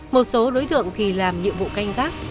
một số đối tượng thì làm nhiệm vụ canh gác